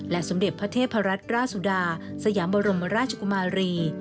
สมเด็จพระเทพรัตนราชสุดาสยามบรมราชกุมารี